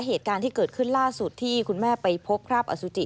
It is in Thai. เหตุการณ์ที่เกิดขึ้นล่าสุดที่คุณแม่ไปพบคราบอสุจิ